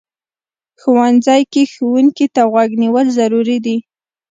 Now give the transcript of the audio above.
ښوونځی کې ښوونکي ته غوږ نیول ضروري دي